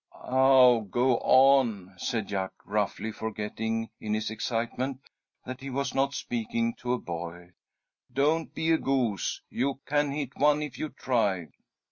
"Aw, go on!" said Jack, roughly, forgetting, in his excitement, that he was not speaking to a boy. "Don't be a goose! You can hit one if you try!"